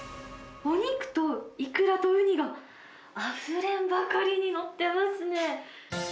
お肉とイクラとウニが、あふれんばかりに載っていますね。